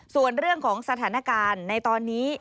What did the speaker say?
ส่วนเรื่องของสถานการณ์ในตอนนี้